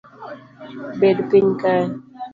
Bed piny kae